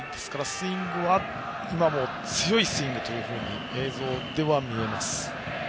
スイングは今も強いスイングと映像では見えます。